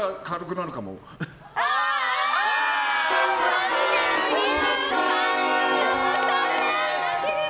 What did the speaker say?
残念！